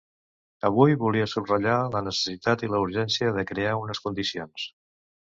Avui volia subratllar la necessitat i la urgència de crear unes condicions.